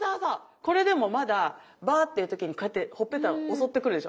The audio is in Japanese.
これでもまだ「ばー」っていう時にこうやってほっぺた襲ってくるでしょ。